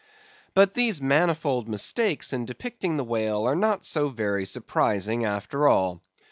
But these manifold mistakes in depicting the whale are not so very surprising after all.